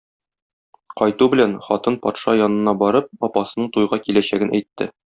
Кайту белән, хатын патша янына барып апасының туйга киләчәген әйтте.